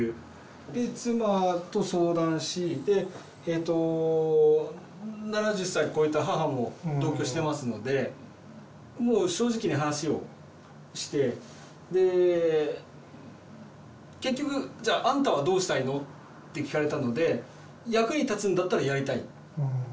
で妻と相談しでえと７０歳超えた母も同居してますのでもう正直に話をしてで「結局じゃああんたはどうしたいの？」って聞かれたので「役に立つんだったらやりたい」。